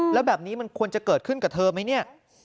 แล้วแบบนี้มันควรจะเกิดขึ้นกับเธอไหมเนี่ย